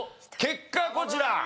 結果こちら。